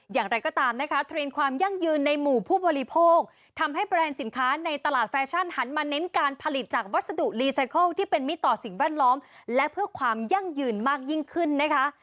อย่างไรก็ตามนะคะเทรนด์ความยั่งยืนในหมู่ผู้บริโภคทำให้แบรนด์สินค้าในตลาดแฟชั่นหันมาเน้นการผลิตจากวัสดุรีไซเคิลที่เป็นมิตรต่อสิ่งแวดล้อมและเพื่อความยั่งยืนมากยิ่งขึ้นนะคะ